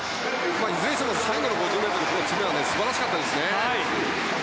いずれにしても最後の５０ｍは素晴らしかったですね。